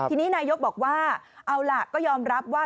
ทีนี้นายกบอกว่าเอาล่ะก็ยอมรับว่า